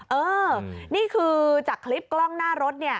เออนี่คือจากคลิปกล้องหน้ารถเนี่ย